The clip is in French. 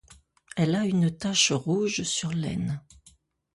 Elle a une tache rouge sur l'aine.